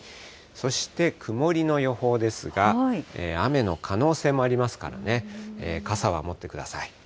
そして曇りの予報ですが、雨の可能性もありますからね、傘は持ってください。